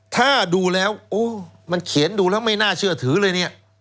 ถ้าดูแล้วโอ้มันเขียนดูแล้วไม่น่าเชื่อถือเลยเนี่ย